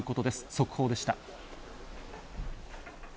速報でした。